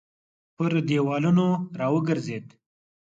پر دېوالونو راوګرځېد.